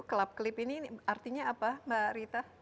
kelap klip ini artinya apa mbak rita